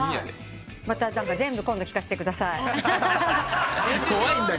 また全部今度聞かせてください。